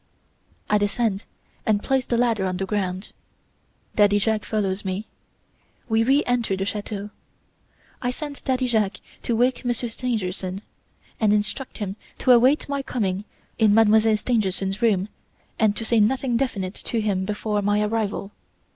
I descend and place the ladder on the ground. Daddy Jacques follows me. We re enter the chateau. I send Daddy Jacques to wake Monsieur Stangerson, and instruct him to await my coming in Mademoiselle Stangerson's room and to say nothing definite to him before my arrival.